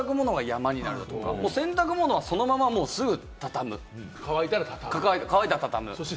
洗濯物が山になる、洗濯物はすぐ畳む、乾いたら畳む。